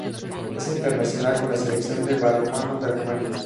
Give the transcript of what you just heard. Es internacional con la Selección de balonmano de Rumania.